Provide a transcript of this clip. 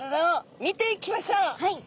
はい。